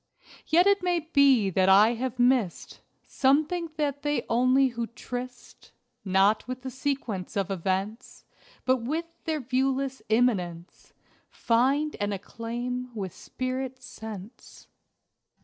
Yet it may be that I have missed Something that only they who tryst, Not with the sequence of events But with their viewless Immanence, Find and acclaim with spirit sense.